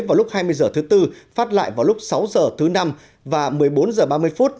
vào lúc sáu h thứ năm và một mươi bốn h ba mươi phút